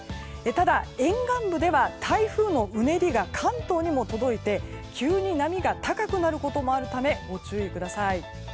ただ、沿岸部では台風のうねりが関東にも届いて急に波が高くなることもあるためご注意ください。